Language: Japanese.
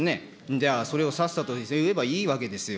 じゃあそれをさっさと言えばいいわけですよ。